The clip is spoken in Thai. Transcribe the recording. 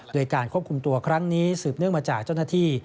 โดยการควบคุมตัวครั้งนี้สืบเนื่องมาจากเจ้าหน้าที่